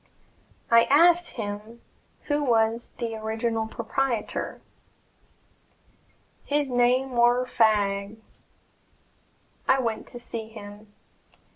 I asked him who was the original proprietor. "His name war Fagg." I went to see him.